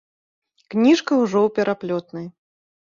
Кніжка ўжо ў пераплётнай.